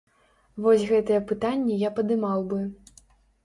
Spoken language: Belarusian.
Вось гэтыя пытанні я падымаў бы.